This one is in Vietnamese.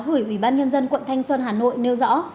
gửi ủy ban nhân dân quận thanh xuân hà nội nêu rõ